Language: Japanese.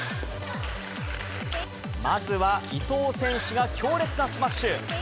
まずは伊藤選手が強烈なスマッシュ。